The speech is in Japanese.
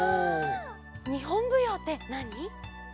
日本舞踊ってなに？